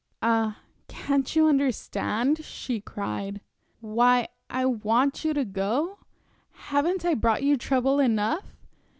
"Ah, can't you understand," she cried, "why I want you to go? Haven't I brought you trouble enough?